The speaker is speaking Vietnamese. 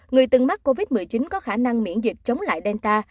người từng mắc covid một mươi chín có khả năng miễn dịch chống lại delta